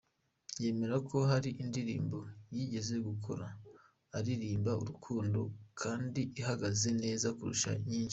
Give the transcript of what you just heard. Yemera ko hari indirimbo yigeze gukora aririmba urukundo kandi ihagaze neza kurusha nyinshi.